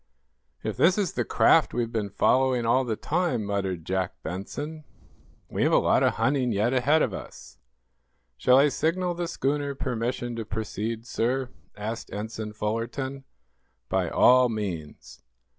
"If this is the craft we've been following all the time," muttered Jack Benson, "we've a lot of hunting yet ahead of us." "Shall I signal the schooner permission to proceed, sir?" asked Ensign Fullerton. "By all means."